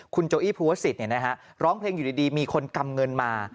คุณโจอี้ภูวศิษย์ร้องเพลงอยู่ดีมีคนกำเงินมา